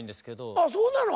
あそうなの。